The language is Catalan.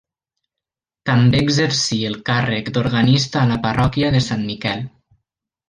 També exercí el càrrec d'organista a la parròquia de Sant Miquel.